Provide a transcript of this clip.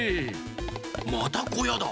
またこやだ。